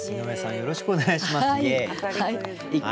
よろしくお願いします。